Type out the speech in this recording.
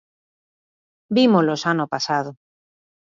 Vímolo xa no pasado.